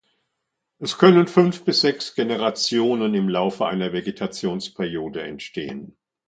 Es können fünf bis sechs Generationen im Laufe einer Vegetationsperiode entstehen.